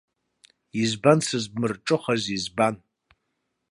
Избан, сзыбмырҿыхаз, избан?